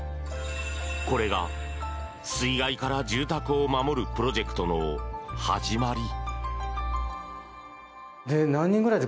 これが、水害から住宅を守るプロジェクトの始まり。